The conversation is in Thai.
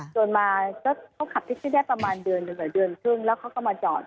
จนมาเขาขับทิ้งทิ้งแม่ประมาณเดือนถึงแต่เดือนครึ่งแล้วเขาก็มาจอด